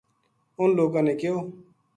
اُنھ لوکاں نے کہیو